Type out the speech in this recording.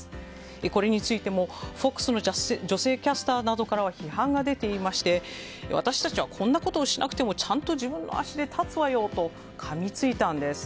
これについてもＦＯＸの女性キャスターなどからは批判が出ていまして私たちはこんなことをしなくてもちゃんと自分の足で立つわよとかみついたんです。